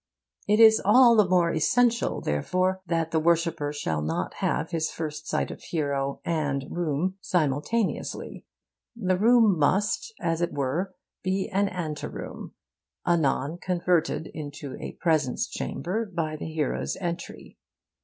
It is all the more essential, therefore, that the worshipper shall not have his first sight of hero and room simultaneously. The room must, as it were, be an anteroom, anon converted into a presence chamber by the hero's entry.